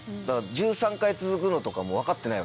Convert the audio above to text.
１３回続くのとかも分かってないわけでしょ？